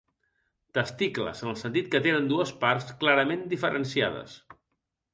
Testicles, en el sentit que tenen dues parts clarament diferenciades.